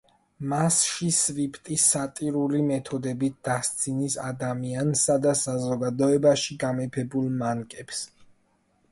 მასში სვიფტი სატირული მეთოდებით დასცინის ადამიანსა და საზოგადოებაში გამეფებულ მანკებს.